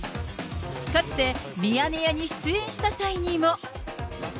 かつて、ミヤネ屋に出演した際にも。